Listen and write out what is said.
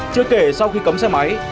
chưa kể sau khi cấm xe máy